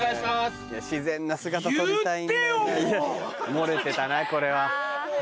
漏れてたなこれは。